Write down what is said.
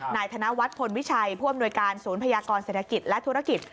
นายธนวัฒน์พลวิชัยผู้อำนวยการศูนย์พยากรเศรษฐกิจและธุรกิจ